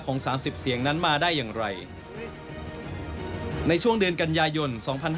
ในช่วงเดือนกันยายน๒๕๕๘